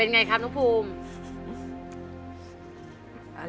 เป็นไงครับนุภูมิ